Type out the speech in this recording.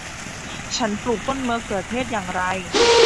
ฉันปลูกต้นมะเขือเทศอย่างไร